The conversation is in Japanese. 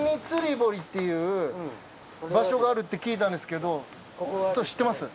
ぼりっていう場所があるって聞いたんですけど知ってます？